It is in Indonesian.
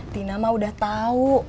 tina mah udah tau